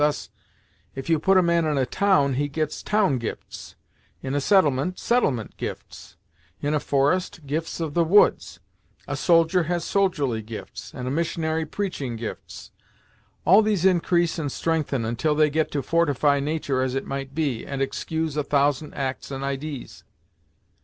Thus, if you put a man in a town, he gets town gifts; in a settlement, settlement gifts; in a forest, gifts of the woods. A soldier has soldierly gifts, and a missionary preaching gifts. All these increase and strengthen, until they get to fortify natur', as it might be, and excuse a thousand acts and idees.